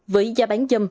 với giá bán dâm